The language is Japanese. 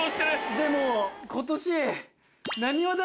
でも今年。